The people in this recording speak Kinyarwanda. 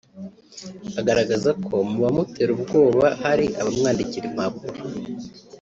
Agaragaza ko mu bamutera ubwoba hari abamwandikira impapuro